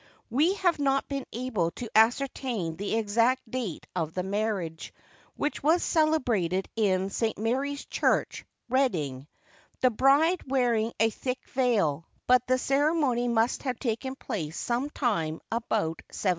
We have not been able to ascertain the exact date of the marriage, which was celebrated in St. Mary's Church, Reading, the bride wearing a thick veil; but the ceremony must have taken place some time about 1705.